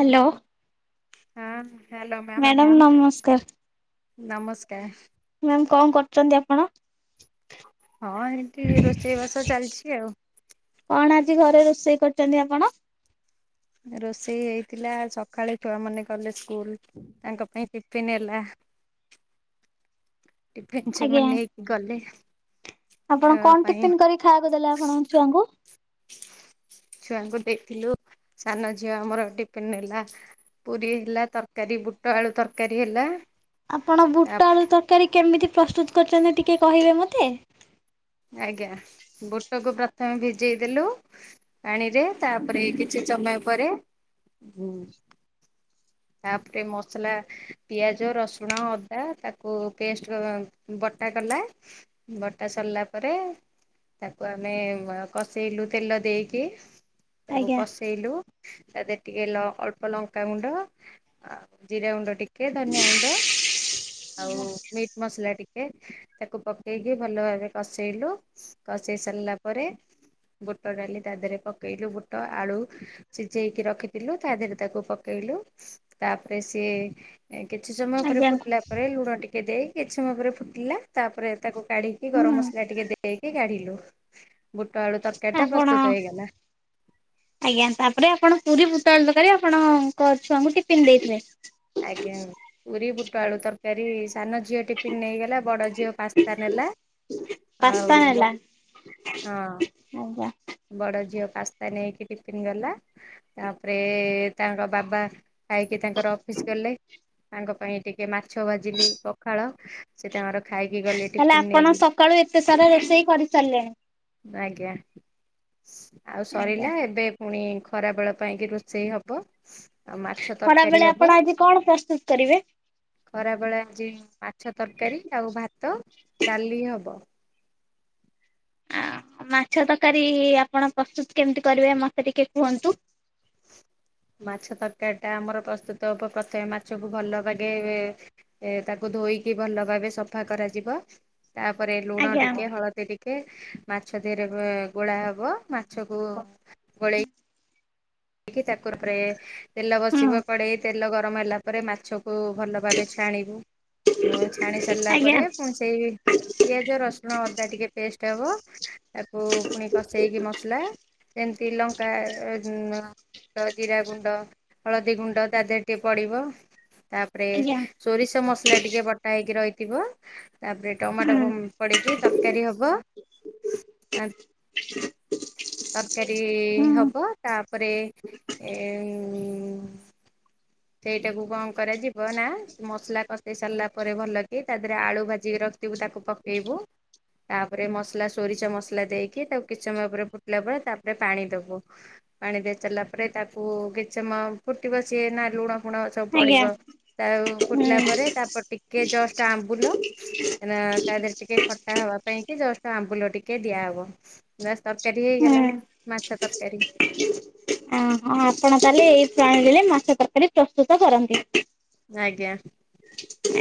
Hello? Ma'am. Hello madam ନମସ୍କାର। ନମସ୍କାର। Ma'am କଣ କରୁଚନ୍ତି ଆପଣ? ହଁ ଏଇଠି ରୋଷେଇ ବାସ ଚାଲଛି ଆଉ। ଜି ଘରେ ରୋଷେଇ କରୁଚନ୍ତି ଆପଣ। ରୋଷେଇ ହେଇଥିଲା ସଖାଳେ ଛୁଆମାନେ ଗଲେ ସ୍କୁଲ୍ ତାଙ୍କ ପାଇଁ ଟି ପିନ୍ ହେଲା। ଟିଫିନ୍ ଆଜ୍ଞା। ସେମାନେ ନେଇକି ଗଲେ। ଆପଣ ତାଙ୍କ କଣ ପାଇଁ ଟିଫିନ୍ କରିକି ଖାଇବାକୁ ଦେଲେ ଆପଣଙ୍କ ଛୁଆଙ୍କୁ? ଛୁଆଙ୍କୁ ଦେଇଥିଲୁ ସାନ ଝିଅ ଆମର ଟିପିନ୍ ନେଲା। ପୁରୀ ହେଲା, ତରକାରୀ ବୁଟ ଆଳୁ ତରକାରୀ ହେଲା। ଆପଣ ତା ବୁଟ ଆଳୁ ତରକାରୀ କେମିତି ପ୍ରସ୍ତୁତ କରଚନ୍ତି ଟିକେ କହିବେ ମତେ? ଆଜ୍ଞା ବୁଟକୁ ପ୍ରଥମେ ଭିଜେଇ ଦେଲୁ ପାଣିରେ ତାପରେ କିଛି ଚମୟ ପରେ ଉଁ ତାପରେ ମସଲା, ପିଆଜ, ରସୁଣ, ଅଦା ତାକୁ ପେଷ୍ଟର ଅ ବ ଟା କଲା, ବଟା ସରିଲା ପରେ ତାକୁ ଆମେ ୱା କଷେଇଲୁ ତେଲ ଦେଇକି। ତାକୁ ଆଜ୍ଞା କଷେଇଲୁ ତା ଦେହରେ ଟିକେ ଲ ଅଳ୍ପ ଲଙ୍କାଗୁଣ୍ଡ ଆ ଜିରା ଗୁଣ୍ଡ ଟିକେ, ଧନିଆ ଗୁଣ୍ଡ ଆଉ ମିଟ୍ ମସଲା ଟି ଏ ତାକୁ ପକେଇକି ଭଲ ଭାବେ କଷେଇଲୁ, କଷେଇ ସାରଲା ପରେ ବୁଟ ଡାଲି ତା ଦେହରେ ପକେଇଲୁ ବୁଟ, ଆଳୁ ସିଝେଇକି ରଖିଥିଲୁ ତା ଦେହରେ ତାକୁ ପକେଇଲୁ। ତାପରେ ସିଏ ଏ କିଛି ସମୟ ପରେ ଆଜ୍ଞା ଫୁଟିଲା ପରେ ଲୁଣ ଟିକେ ଦେଇ କିଛି ମ ପରେ ଫୁଟିଲା ତାପରେ ତାକୁ କାଢ଼ିକି ହୁଁ ଗରମ ମସଲା ଟିକେ ଦେଇକି କାଢିଲୁ। ବୁଟ ଆଳୁ ତରକାରୀ ଟା ଆପଣ ପ୍ରସ୍ତୁତ ହେଇଗଲା ଆଜ୍ଞା ତାପରେ ଆପଣ ପୁରୀ ବୁ ପୋଟଳ ତରକାରୀ ଆପଣଙ୍କ ଛୁଆଙ୍କୁ ଟିପିନ୍ ଦେଇଥିଲେ। ଆଜ୍ଞା ପୁରୀ ବୁଟ ଆଳୁ ତରକାରୀ ସାନ ଝିଅ ଟିପିନ୍ ନେଇଗଲା, ବଡ଼ ଝିଅ ପାସ୍ତା ନେଲା ପାସ୍ତା ଆଉ ନେଲା ବ ହଁ। ଆଜ୍ଞା ବଡ ଝିଅ ପାସ୍ତା ନେଇକି ଟିଫିନ୍ ଗଲା, ତାପରେ ତାଙ୍କ ବାବା ଖାଇକି ତାଙ୍କର ଅଫିସ୍ ଗଲେ ତାଙ୍କ ପାଇଁ ଟିକେ ମା ଛ ଭାଜିଲି ପଖାଳ ସେ ତାଙ୍କର ଖାଇକି ଗଲେ ତାହେଲେ ଟିଫିନ ଆପଣ ନେଇକି। ସକାଳୁ ଏତେ ସାରା ରୋଷେଇ କରିସାରଲେଣି। ଆଜ୍ଞା ଆଉ ଆଜ୍ଞା ସରିଲା ଏବେ ପୁଣି ଖ ଖରାବେଳ ପାଇଁକି ରୋଷେଇ ହବ। ଆଉ ମାଛ ତରକାରୀ ଖରାବେଳେ ହବ। ଆପଣ ଆଜି କଣ ପ୍ରସ୍ତୁତ୍ କରି ଖରାବେଳେ ଆଜି ମାଛ ତରକାରୀ ଆଉ ଭାତ ଡାଲି ହବ। ଆ ମାଛ ତରକାରୀ ଆପଣ ପ୍ରସ୍ତୁତ କେମିତି କରିବେ ମତେ ଟିକେ କୁହନ୍ତୁ। ମାଛ ତରକାରୀଟା ଆମର ପ୍ରସ୍ତୁତ ହବ ପ୍ରଥମେ ମାଛକୁ ଭଲ ବାଗେ ଏ ଏ ତାକୁ ଧୋଇକି ଭଲ ଭାବେ ସଫା କରାଯିବ। ତାପରେ ଲୁଣ ଆଜ୍ଞା। ଟିକେ, ହଳଦୀ ଟିକେ ମାଛ ଦେହରେ ଗୋ ଗୋଳା ହ ହବ ମାଛକୁ ଗୋଳେଇ କି ତାକୁ ର ପରେ ତେଲ ହୁଁ ବସିବ କଡେଇ ତେଲ ଗରମ ହେଲା ପରେ ମାଛ କୁ ଭଲ ଭାବେ ଛାଣିବୁ। ଓ ଛାଣି ସାରିଲା ଆଜ୍ଞା। ପରେ ପୁଣି ସେଇ ପିଆଜ, ରସୁଣ, ଅଦା ଟିକେ ପେଷ୍ଟ ହବ। ତାକୁ ପୁଣି କଷେଇକି ମସଲା ଯେମତି ଲଙ୍କା ଏ ଅଁ ତ ଜିରା ଗୁଣ୍ଡ, ହଳଦୀ ଗୁଣ୍ଡ ତା ଦେହରେ ଟିକେ ପଡିବ। ତାପରେ ଆଜ୍ଞା। ସୋରିଷ ମସଲା ଟିକେ ବଟାହେଇକି ରହିଥିବ। ତାପରେ ଟମାଟୋ ହୁଁ ପଁ ପଡ଼େଇକି ତରକାରୀ ହବ ଆଁ ତରକାରୀ ହୁଁ। ହବ ତାପରେ ଏ ଉଁ ସେଇଟାକୁ କଣ କରାଯିବ ନା ମସଲା କଷେଇ ସାରିଲା ପରେ ଭଲ କି ତା ଦେହରେ ଆଳୁ ଭାଜିକି ରଖି ଯିବୁ ତାକୁ ପକେଇବୁ ତାପରେ ମସଲା ସୋରିଷ ମସଲା ଦେଇକି ତାକୁ କିଛି ସମୟ ପରେରେ ଫୁଟିଲା ପରେ ତାପରେ ପାଣି ଦବୁ। ପାଣି ଦେଇସାରିଲା ପରେ ତାକୁ କିଛି ସମୟ ଫୁଟିବସିଏ ନା ଲୁଣ ଫୁଣ ସବୁ ଆଜ୍ଞା ପଡିବ ତା ହୁଁ ଫୁଟିଲା ପରେ ତାପ ଟିକେ ଜଷ୍ଟ ଆମ୍ବୁଲ ହ ତା ଦେହରେ ଟିକେ ଖଟା ହବା ପାଇଁ କି ଜଷ୍ଟ ଆମ୍ବୁଲ ଟିକେ ଦିଆହବ ନା ତରକାରୀ ହେଇଗଲା ମାଛ ତରକାରୀ। ଅ ହଁ ଆପଣ ତାହେଲେ ଏଇ ପ୍ରଣାଳୀରେ ମାଛ ତରକାରୀ ପ୍ରସ୍ତୁତ କରନ୍ତି। ଆଜ୍ଞା।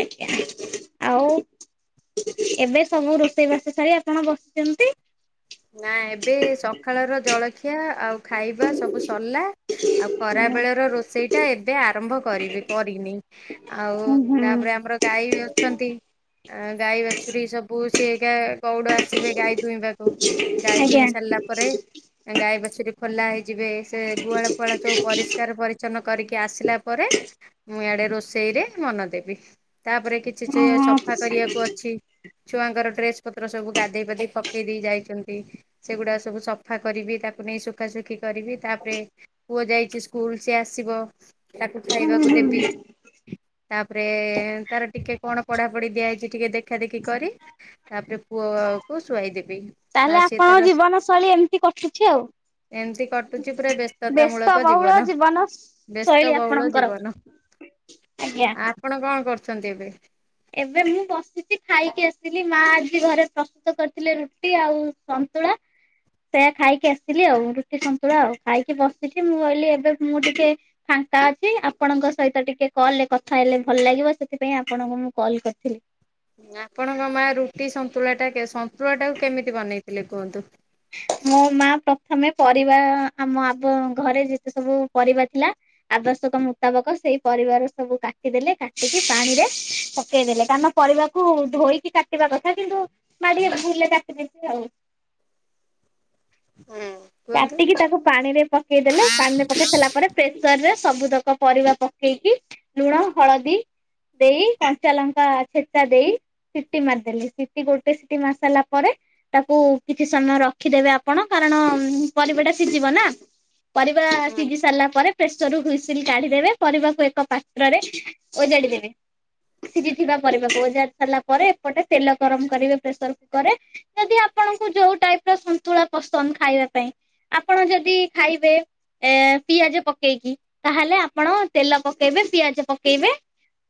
ଆଜ୍ଞା। ଆଉ। ଏବେ ସବୁ ରୋଷେଇ ବାସ ସାରି ଆପଣ ବସିଛନ୍ତି? ନା ଏବେ ସକାଳର ଜଳଖିଆ ଆଉ ଖାଇବା ସବୁ ସରିଲା। ଆଉ ଖରା ବେଳ ର ରୋଷେଇ ଟା ଏବେ ଆରମ୍ଭ କରିବି କରିନି ଆଉ ହୁଁ ହୁଁ। ତାପରେ ଆମର ଗାଈ ବି ଅଛନ୍ତି। ଆ ଗାଈ ବାଛୁରୀ ସବୁ ସେିଏାକା ଗଉଡ ଆସିବେ ଗାଈ ଦୁଇଁବାକୁ। ଗାଈ ଆଜ୍ଞା ଦୁଇଁ ସାରିଲା ପରେ ଗାଈ ବାଛୁରୀ ଖୋଲା ହେଇଛି ଯିବେ ସେ ଗୁହାଳ ଫୁହାଳା ସବୁ ପରିଷ୍କାର ପରିଚ୍ଛନ୍ନ କରିକି ଆସିଲା ପରେ ମୁଁ ଆଡେ ରୋଷେଇରେ ମନ ଦେବି ତାପରେ କିଛି ସେ ଓହୋ। ସଫା କରିବାକୁ ଅଛି। ଛୁଆଙ୍କର ଡ୍ରେସ ପତ୍ର ସବୁ ଗାଧେଇ ପଧେଇ ପକେଇ ଦେଇ ଯାଇଛନ୍ତି। ସେଗୁଡା ସବୁ ସଫା କରିବି ତାକୁ ନେଇ ସୁୁଖାସୁଖି କରିବି ତାପରେ ପୁଅ ଯାଇଛି ସ୍କୁଲ ସିଏ ଆସିବ। ତାକୁ ଖାଇବାକୁ ଦେବି ତାପରେ ତାର ଟିକେ କଣ ପଢା ପଢି ଦିଆ ହୋଇଛି ଟିକେ ଦେଖା ଦେଖି କରି ତାପରେ ପୁଅ କୁ ଶୁଆଇ ଦେବି। ତାହେଲେ ଆପଣଙ୍କ ଜୀବନ ଶୈଳୀ ଏମିତି କଟୁଛି ଆଉ। ଏମତି କଟୁଛି ପୁରା ବ୍ୟସ୍ତତା ବ୍ୟସ୍ତ ମୂଳକ ବହୁଳ ଜୀବନ। ଶୈଳୀ ବ୍ୟସ୍ତ ବହୁଳ ଆପଣଙ୍କର ଜୀବନ ଆଜ୍ଞା। ଆ ଆପଣ କଣ କରୁଛନ୍ତି ଏବେ? ଏବେ ମୁଁ ବସିଛି ଖାଇକି ଆସିଲି ମା ଆଜି ଘରେ ପ୍ରସ୍ତୁତ କରିଥିଲେ ରୁଟି ଆଉ ତୁଳା ସେଇୟା ଖାଇକି ଆସିଲି ଆଉ ରୁଟି ସନ୍ତୁଳା ଆଉ ଖାଇକି ବସିଛି ମୁଁ କହିଲି ଏବେ ମୁଁ ଟିକେ ତାଅଛି ଆପଣଙ୍କ ସହିତ ଟିକେ କଲରେ କଥା ହେଲେ ଭଲ ଲାଗିବ ସେଥିପାଇଁ ଆପଣଙ୍କୁ ମୁଁ କଲ କରିଥିଲି। ଆପଣଙ୍କ ମା ରୁଟି ସନ୍ତୁଳା ଟା ସନ୍ତୁଳା ଟାକୁ କେମିତି ବନେଇଥିଲେ କୁହନ୍ତୁ? ମୋ ମା ପ୍ରଥମେ ପରିବା ଆମ ଆ ଘରେ ଯେତେ ସବୁ ପରିବା ଥିଲା ଆବଶ୍ୟକ ମୁତାବକ ସେଇ ପରିବାର ସବୁ କାଟିଦେଲେ କାଟିକି ପାଣିରେ ପକେଇଦଲେ କାରଣ କୁ ଧୋଇକି କାଟିବା କଥା କିନ୍ତୁ ମାଡିଏ ଧୋଇଲେ କାଟି ଦେବି ଆଉ। କୁହନ୍ତୁ। କାଟିକି ତାକୁ ପାଣି ରେ ପକେଇଦେଲେ ପାଣିରେ ପକେଇ ସାରିଲା ପରେ ପ୍ରେସରରେ ସବୁତକ ପରିବା ପକେଇକି ଲୁଣ ହଳଦୀ ଦେଇ କଞ୍ଚା ଲଙ୍କା ଛେଚା ଦେଇ ସିଟି ମାରିଦେଲି ସିଟି ଗୋଟେ ସିଟି ମାରି ସାରିଲା ପରେ ତାକୁ କିଛି ସମୟ ରଖିଦେବେ ଆପଣ କାରଣ ପରିବା ଟା ସିଝିବ ନା ପରିବା ସିଝି ସାରିଲା ପରେ ପ୍ରେସର ରୁ ହୁଇସିଲ କାଢିଦେବେ ପରିବାକୁ ଏକ ପାତ୍ରରେ ଓଜାଡିଦେବେ। ସିଝିଥିବା ପରିବାକୁ ଅଜାଡି ସାରିଲା ପରେ ଏପଟେ ତେଲ ଗରମ କରିବେ ପ୍ରେସର କୁକର ରେ ଯଦି ଆପଣଙ୍କୁ ଯୋଉ ଟାଇପ ର ସନ୍ତୁଳା ପସନ୍ଦ ଖାଇବା ପାଇଁ ଆପଣ ଯଦି ଖାଇବେ ଏ ପିଆଜ ପକେଇକି ତାହେଲେ ଆପଣ ତେଲ ପକେଇବେ ପିଆଜ ପକେଇବେ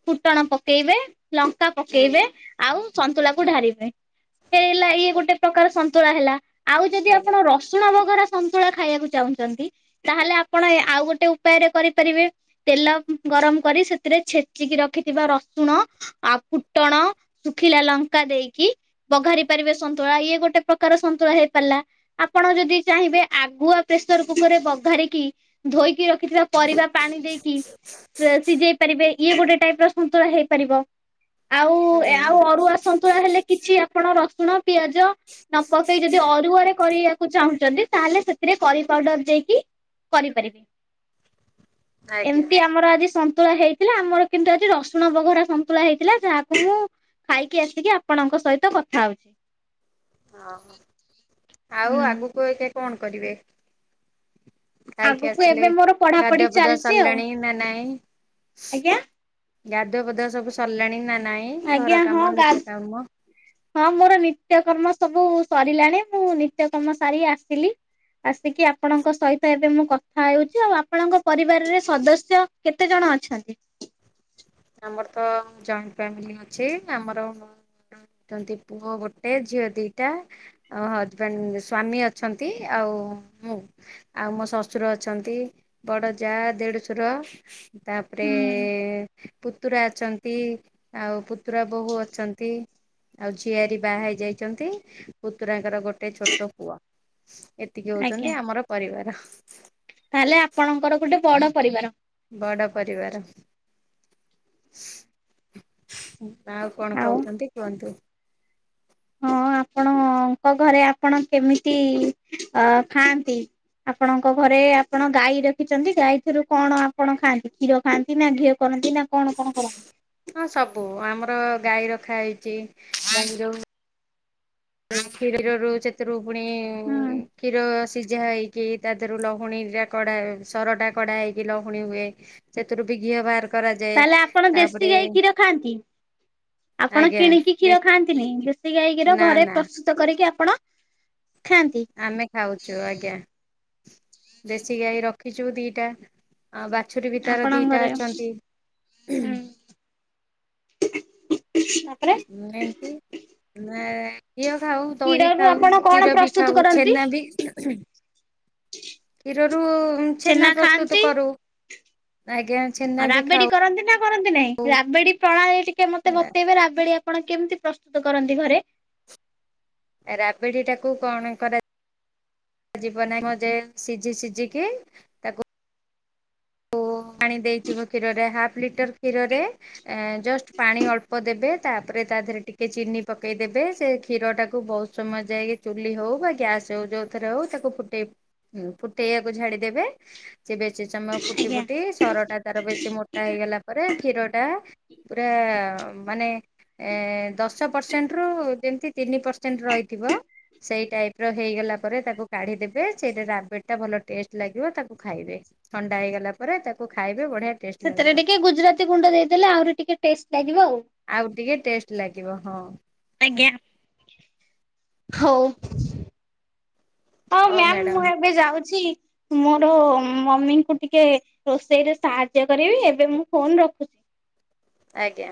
ଫୁଟଣ ପକେଇବେ ଲଙ୍କା ପକେଇବେ ଆଉ ସନ୍ତୁଳାକୁ ଢାରିବେ ହେ ହେଲା ଇଏ ଗୋଟେ ପ୍ରକାର ସୁ ସତୁଳା ହେଲା ଆଉ ଯଦି ଆଜ୍ଞା ଆପଣ ର ବଗରା ସନ୍ତୁଳା ଖାଇବାକୁ ଚାହୁଛନ୍ତି ତାହେଲେ ଆପଣ ଆଉ ଗୋଟେ ଉପୟ କରିପାରିବେ। ତେଲ ଗରମ କରି ସେଥିରେ ଛେଚି କି ରଖିଥିବା ରସୁଣ ଆଉ ଫୁଟଣ ଶୁଖିଲା ଲଙ୍କା ଦେଇକି ପଘାରି ପାରିବେ ସନ୍ତୁଳା ଇଏ ଗୋଟେ ପ୍ରକାର ସନ୍ତୁଳା ହେଇ ପାରିଲା। ଆପଣ ଯଦି ଚାହିଁବେ ଆଗୁଆ ପ୍ରେସର କୁକର ରେ ବଘାରିକି ଧୋଇକି ରଖିଥିବା ପରିବା ପାଣି ଦେଇ ସିଝେଇ ପାରିବେ ଇଏ ଗୋଟେ ଟାଇପ ର ସନ୍ତୁଳା ହେଇପାରିବ। ଆଉ ହୁଁ ଆଉ ଅରୁଆ ସନ୍ତୁଳା ହେଲେ କିଛି ଆପଣ ରସୁଣ, ପିଆଜ ନ ପକେଇ ଯଦି ଅରୁଆରେ କରିବା ଚାହୁଚନ୍ତି ତାହେଲେ ସେଥିରେ କରି ପାଉଡର ଦେଇକି କରିପାରିବେ। ଆଜ୍ଞା ଏମତି ଆମର ଆଜି ଶନ୍ତୁ ସନ୍ତୁଳା ହେଇଥିଲା ଆମର କିନ୍ତୁ ଆଜି ରସୁଣ ବଘରା ସନ୍ତୁଳା ହେଇଥିଲା ଯାହାକୁ ମୁଁ ଖାଇକି ଆସିକି ଆପଣଙ୍କ ସହିତ କଥା ହଉଚି। ଓହୋ ଆଉ ଆଗକୁ ଏକା କଣ କରିବେ? ଖାଇକି ଆଗକୁ ଆସିଲେ ଏବେ ମୋର ପଢାପଢି ଗାଧୁଆପାଧୁଆ ଚାଲିଛି ଆଉ ସାରିଲାଣି ନା ନାଇଁ? ଆଜ୍ଞା? ଗାଧୂଆପାଧୁଆ ସବୁ ସରିଲାଣି ନାଁ ଆଜ୍ଞା ହଁ, ଗାଧ ହଁ ମୋର ନିତ୍ୟକର୍ମ ସବୁ ସରିଲାଣି ମୁଁ ନିତ୍ୟ କର୍ମ ସାରି ଆସିଲି। ଆସିକି ଆପଣଙ୍କ ସହିତ ଏବେ ମୁଁ କଥା ହେଉଛି ଆଉ ଆପଣଙ୍କ ପରିବାରରେ ସଦସ୍ୟ କେତେ ଜଣ? ହଁ ଅଛନ୍ତି। ଆମର ତ ଜଏଣ୍ଟ ଫାମିଲି ଅଛି ଆମର ଛନ୍ତି ପୁଅ ଗୋଟେ ଝିଅ ଦିଟା ଆଉ ହଜବାଣ୍ଡ ସ୍ଵାମୀ ଅଛନ୍ତି ଆଉ ଆଉ ମୁଁ ଆଉ ମୋ ଶଶୁର ଅଛନ୍ତି ବଡ ଯା ଦେଢଶୁର ତାପରେ ହୁଁ ପୁତୁରା ଅଛନ୍ତି ଆଉ ପୁତୁରା ବୋହୂ ଅଛନ୍ତି। ଆଉ ଝିଆରୀ ବାହା ହେଇ ଯାଇଚନ୍ତି ପୁତୁରାଙ୍କର ଗୋଟେ ଗୋଟେ ଛୋଟ ପୁଅ ଏତିକି ଆଜ୍ଞା। ହଉଚନ୍ତି ଆମର ପରିବାର। ତାହେଲେ ଆପଣଙ୍କର ଗୋଟେ ବଡ ପରିବାର। ବଡ ପରିବାର। ଆଉ କଣ କହୁଛନ୍ତି କୁହନ୍ତୁ। ହଁ ଆପଣଙ୍କ ଘରେ ଆପଣ କେମିତି ଅ ଖାଆନ୍ତି? ଆପଣଙ୍କ ଘରେ ଆପଣ ଗାଈ ରଖିଛନ୍ତି ଗାଈ ରୁ କଣ ଆପଣ ଖାଆନ୍ତି କ୍ଷୀର ଖାଆନ୍ତି ନା ଘିଅ କରନ୍ତି ନା କଣ କଣ କରନ୍ତି? ହଁ ସବୁ ଆମର ଗାଈ ରଖା ହେଇଛି ଗାଈ ଯୋଉ କ୍ଷୀରରୁୁ ସେଥିରୁ ପୁଣି ହୁଁ। କ୍ଷୀର ସିଝା ହେଇ କି ତା ଦେହରୁ ଲହୁଣୀ ଟା କା ସର ଟା କଡା ହେଇକି ଲହୁଣୀ ହୁଏ ସେଥିରୁ ବି ଘିଅ ବାହାର କରାଯାଏ। ତାହେଲେ ଆପଣ ଦେଶୀ ତାପରେ ଗାଈ କ୍ଷୀର ଖାଆନ୍ତି । ଆପଣ ଆଜ୍ଞା କିଣିକି କ୍ଷୀର ଖାଆନ୍ତି ନି ଗାଈକ୍ଷୀର ନା ଘରେ ନା ପ୍ରସ୍ତୁତ କରିକି ଆପଣ ଖାଆନ୍ତି। ଆମେ ଖାଉଛୁ ଆଜ୍ଞା ଦେଶୀ ଗାଈ ରଖିଛୁ ଦିଟା। ଆଉ ବାଛୁରି ବି ତାର ଆପଣଙ୍କ ଦିଟା ଘରେ ହୁଁ ଅଛନ୍ତି। [inaudible] ତାପରେ ହୁଁ ଏମିତି ଆ ଘିଅ ଖାଉ, ଦହି କ୍ଷୀରରୁ ଖାଉ, ଆପଣ କଣ କ୍ଷୀର ବି ପ୍ରସ୍ତୁତ ଖାଉ, କରନ୍ତି? ଛେନା ବି [inaudible] ରୁ ଛେନା ପ୍ରସ୍ତୁତ କରୁ। ଆଜ୍ଞା ଛେନା ବି ରାବେଡି ଖାଉ। କରନ୍ତି ନା କରନ୍ତି ନାହିଁ ରାବେଡି ପ୍ରଣାଳୀ ଟିକେ ମତେ ବତେଇବେ। ରାବଡି ଆ ଆପଣ କେମିତି ପ୍ରସ୍ତୁତ କରନ୍ତି ଘରେ? ରାବେଡିଟାକୁ କଣ କରା ଯିବ ନାହିଁ ମ ଯେ ସିଝି ସିଝିକି ତାକୁ ପାଣି ଦେଇଥିବ କ୍ଷୀରରେ ହାଫ୍ ଲିଟର କ୍ଷୀରରେ ଆଁ ଜଷ୍ଟ ପାଣି ଅଳ୍ପ ଦେବେ ତାପରେ ତା ଦେହରେ ଟିକେ ଚିନି ପକେଇ ଦେବେ ସେ କ୍ଷୀର ଟାକୁ ବହୁତ ସମୟ ଯାଇକି ଚୁଲି ହଉ ବା ଗ୍ୟାସ ହଉ ଯୋଉ ଥରେ ହଉ ତାକୁ ଫୁଟେଇ ଫୁଟେଇବାକୁ ଛାଡିଦେବେ। ସେ ବେଶି ସମୟ ଫୁଟି ଆଜ୍ଞା। ଫୁଟି ସରଟା ତାର ବେଶୀ ମୋଟା ହେଇଗଲା ପରେ କ୍ଷୀରଟା ପୁରା ମାନେ ଦଶ ପରସେଣ୍ଟରୁ ଯେମିତି ତିନି ପରସେଣ୍ଟ ରହିଥି ଥିବ। ସେଇ ଟାଇପର ହେଇଗଲା ପରେ ତାକୁ କାଢିଦବେ। ସେଇଟା ରାବେଡିଟା ଭଲ ଟେଷ୍ଟ ଲାଗିବ ତାକୁ ଖାଇବେ। ଥଣ୍ଡା ହେଇଗଲା ପରେ ତାକୁ ଖାଇବେ ବଢିଆ ଟେଷ୍ଟ ସେଥିରେ ଲାଗିବ। ଟିକେ ଗୁଜୁରାତି ଗୁଣ୍ଡ ଦେଇଦେଲେ ଆହୁରି ଟିକେ ଟେଷ୍ଟ ଲାଗିବ ଆଉ। ଆଉ ଟିକେ ଟେଷ୍ଟ ଲାଗିବ ହଁ। ଆଜ୍ଞା ହଉ। ହଁ ହଉ ମ୍ୟାମ୍ ମୁଁ ମ୍ୟାଡାମ ଏବେ ଯାଉଛି। ମୋର ମମିଙ୍କୁ ଟିକେ ରୋଷେଇରେ ସାହାଯ୍ୟ କରିବି। ଏବେ ମୁଁ ଫୋନ ରଖୁଛି। [inaudible] ଆଜ୍ଞା।